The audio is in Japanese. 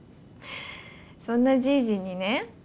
そんなじいじにね